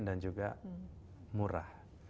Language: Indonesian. dan juga murah